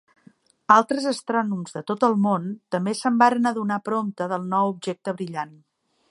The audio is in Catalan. Altres astrònoms de tot el món també se'n varen adonar prompte del nou objecte brillant.